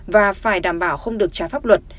và phải đảm bảo không được trái pháp luật